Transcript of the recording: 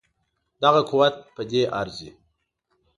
دغه قوت په دې ارزي.